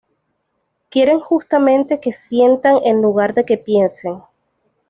Quieren justamente que "sientan", en lugar de que "piensen".